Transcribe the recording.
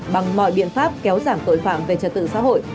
bằng mọi biện pháp kéo giảm tội phạm về trật tự xã hội